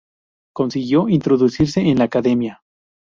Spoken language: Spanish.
Consiguió introducirse en la Academia.